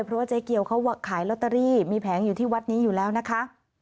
เพราะว่าเจ๊เกียวเขาขายลอตเตอรี่มีแผงอยู่ที่วัดนี้อยู่แล้วนะคะ